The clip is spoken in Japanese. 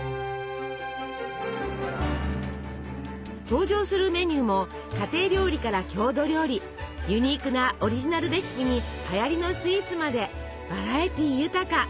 登場するメニューも家庭料理から郷土料理ユニークなオリジナルレシピにはやりのスイーツまでバラエティー豊か。